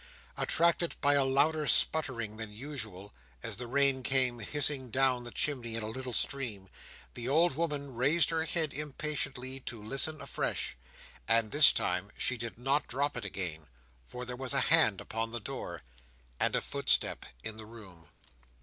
Attracted by a louder sputtering than usual, as the rain came hissing down the chimney in a little stream, the old woman raised her head, impatiently, to listen afresh. And this time she did not drop it again; for there was a hand upon the door, and a footstep in the room.